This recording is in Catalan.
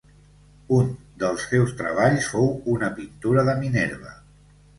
Un dels seus treballs fou una pintura de Minerva.